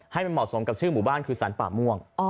ให้มันเหมาะสมกับชื่อหมู่บ้านคือสรรป่าม่วง